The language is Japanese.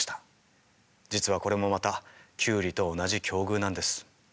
実はこれもまたキュウリと同じ境遇なんです。